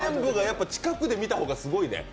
全部が近くで見た方がすごいね。